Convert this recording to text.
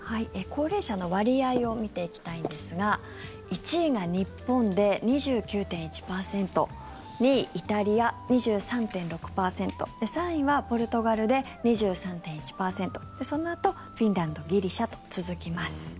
高齢者の割合を見ていきたいんですが１位が日本で２９．１％２位イタリア、２３．６％３位はポルトガルで２３．１％そのあとフィンランドギリシャと続きます。